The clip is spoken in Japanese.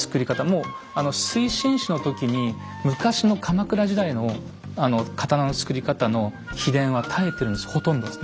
もう水心子の時に昔の鎌倉時代の刀の作り方の秘伝は絶えてるんですほとんど。